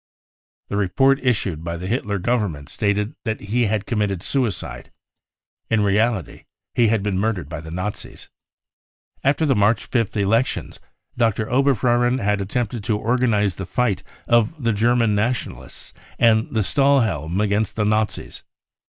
The report issued by the Hitler Government stated that he had committed suicide. In reality he had been murdered by the Nazis. Aft^r the March 5th elections Dr. Oberfohren had attempted to organise the fight of the German Nationalists and the Stahlhelm against the NaziS.